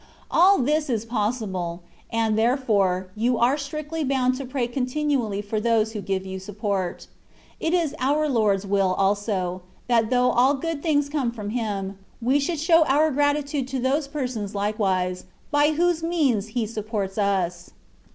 AU this is possible; and, therefore, you are strictly bound to pray continually for those who give you support. It is our Lord's will also, that though all good things come from Him, we should show our gratitude to those persons like wise, by whose means He supports us.